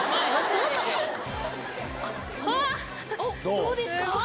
どうですか？